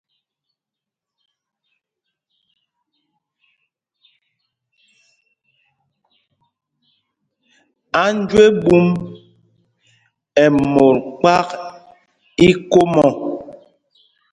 Anjeɓúm ɛ́ mot kpák íkom ɔ̂.